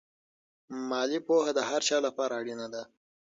مالي پوهه د هر چا لپاره اړینه ده.